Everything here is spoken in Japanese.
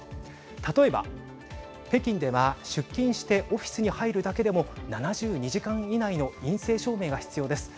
例えば、北京では出勤してオフィスに入るだけでも７２時間以内の陰性証明が必要です。